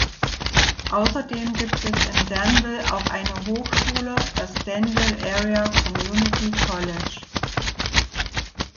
Außerdem gibt es in Danville auch eine Hochschule, dass Danville Area Community College.